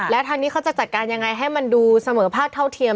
แล้วทางนี้เขาจะจัดการยังไงให้มันดูเสมอภาคเท่าเทียม